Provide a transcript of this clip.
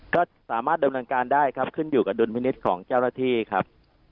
ก็สามารถดำเนินการได้ครับขึ้นอยู่กับดุลพินิษฐ์ของเจ้าหน้าที่ครับ